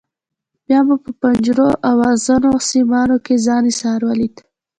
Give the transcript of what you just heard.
بیا مو په پنجرو او ازغنو سیمانو کې ځان ایسار ولید.